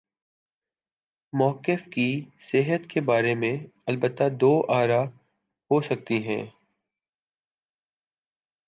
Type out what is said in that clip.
موقف کی صحت کے بارے میں البتہ دو آرا ہو سکتی ہیں۔